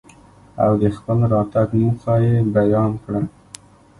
او دخپل راتګ موخه يې بيان کره.